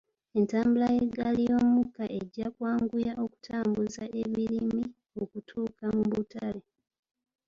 Entambula y'eggaali y'omukka ejja kwanguya okutambuza ebirimi okutuuka mu butale.